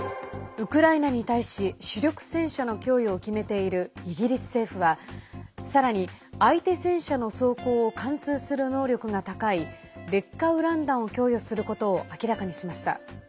ウクライナに対し主力戦車の供与を決めているイギリス政府はさらに、相手戦車の装甲を貫通する能力が高い劣化ウラン弾を供与することを明らかにしました。